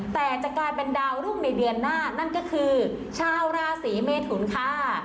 แต่จะกลายเป็นดาวรุ่งในเดือนหน้านั่นก็คือชาวราศีเมทุนค่ะ